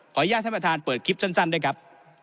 อนุญาตท่านประธานเปิดคลิปสั้นด้วยครับ